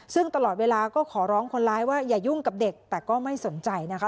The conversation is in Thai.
ซึ่งตลอดเวลาก็ขอร้องคนร้ายว่าอย่ายุ่งกับเด็กแต่ก็ไม่สนใจนะคะ